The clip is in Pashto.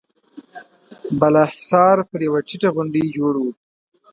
بالا حصار پر يوه ټيټه غونډۍ جوړ و.